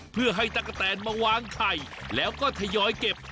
เพื่อให้ตะกะแตนมาวางไข่แล้วก็ทยอยเก็บ